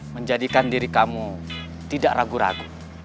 menjadikan diri kamu tidak ragu ragu